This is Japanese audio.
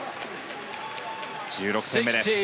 １６点目です。